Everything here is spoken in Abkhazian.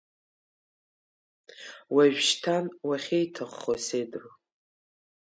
Уажәшьҭан уахьиҭаххо сеидру!